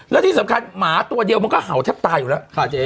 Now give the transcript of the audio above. แล้วที่สำคัญหมาตัวเดียวมันก็เห่าแทบตายอยู่แล้วค่ะเจ๊